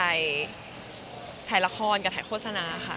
ถ่ายละครกับถ่ายโฆษณาค่ะ